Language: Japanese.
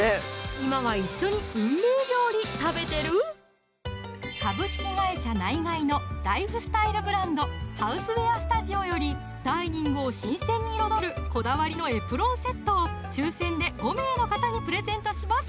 今は一緒にうんめー料理食べてるナイガイのライフスタイルブランド「ＨＯＵＳＥＷＥＡＲＳＴＵＤＩＯ」よりダイニングを新鮮に彩るこだわりのエプロンセットを抽選で５名の方にプレゼントします